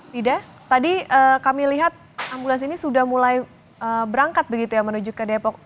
bida tadi kami lihat ambulans ini sudah mulai berangkat begitu ya menuju ke depok